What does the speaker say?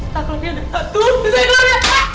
saklarnya ada satu saklarnya ada